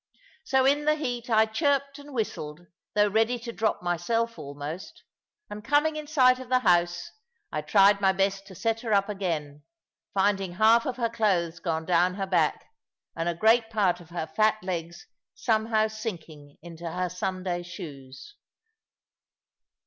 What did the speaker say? So in the heat I chirped and whistled, though ready to drop myself almost; and coming in sight of the house, I tried my best to set her up again, finding half of her clothes gone down her back, and a great part of her fat legs somehow sinking into her Sunday shoes.